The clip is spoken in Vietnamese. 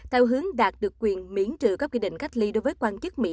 theo hướng đạt được quyền miễn trừ các quy định cách ly đối với quan chức mỹ